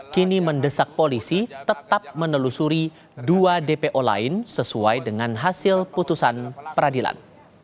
kini mendesak polisi tetap menelusuri dua dpo lain sesuai dengan hasil putusan peradilan